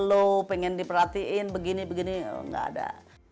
pada umumnya melo pengen diperhatiin begini begini nggak ada